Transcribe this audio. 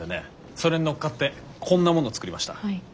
それに乗っかってこんなものを作りました。